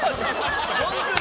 本当に。